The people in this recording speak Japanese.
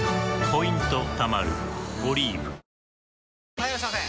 ・はいいらっしゃいませ！